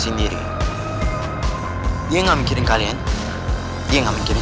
ini kan gue habis main basket nih